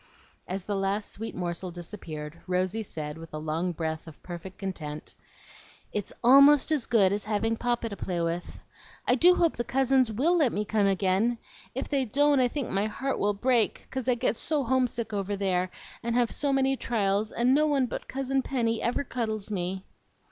As the last sweet morsel disappeared Rosy said, with a long breath of perfect content, "It's ALMOST as good as having Papa to play with. I do hope the cousins WILL let me come again! If they don't, I think my heart will break, 'cause I get so homesick over there, and have so many trials, and no one but Cousin Penny ever cuddles me."